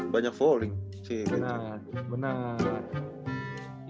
banyak falling sih bener